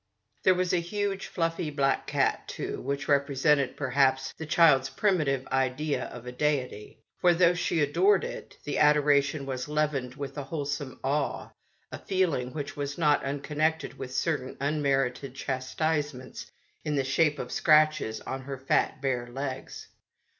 There was a huge, fluffy black cat, too, which represented, perhaps, the child's primi tive idea of a deity ; for, though she adored it, the adoration was leavened with a whole some awe, a feeling which was not uncon nected with certain unmerited chastisements in the shape of scratches on her fat, bare legs.